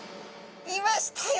いましたよ！